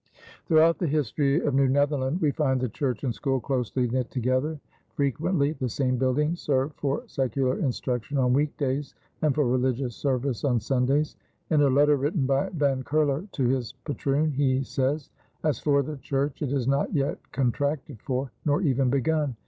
Throughout the history of New Netherland we find the church and school closely knit together. Frequently the same building served for secular instruction on week days and for religious service on Sundays. In a letter written by Van Curler to his patroon, he says: "As for the Church it is not yet contracted for, nor even begun....